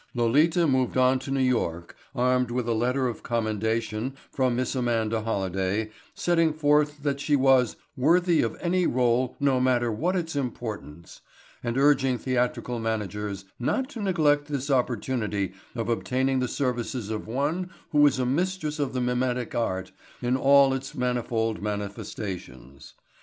Lolita moved on to New York armed with a letter of commendation from Miss Amanda Holliday setting forth that she was "worthy of any role no matter what its importance" and urging theatrical managers "not to neglect this opportunity of obtaining the services of one who is a mistress of the mimetic art in all its manifold manifestations."